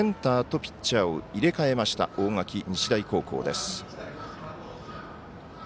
センターとピッチャーを入れ替えました大垣日大高校。